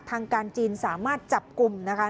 ทางการจีนสามารถจับกลุ่มนะคะ